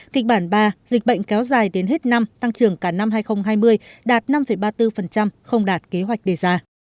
kịch bản ba dịch bệnh kéo dài đến hết năm tăng trưởng cả năm hai nghìn hai mươi đạt năm ba mươi bốn không đạt kế hoạch đề ra